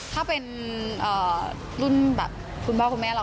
ถ้าเป็นรุ่นแบบคุณพ่อคุณแม่เรา